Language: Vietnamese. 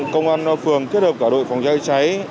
công an phường kết hợp cả đội phòng cháy cháy